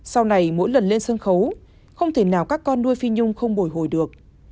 sau này mỗi lần lên sân khấu không thể nào các con nuôi phi nhung không bồi hồi được